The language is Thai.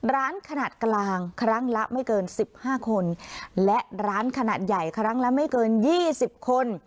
ร้านขนาดกลางครั้งละไม่เกิน๑๕คนและร้านขนาดใหญ่ครั้งละไม่เกิน๒๐คน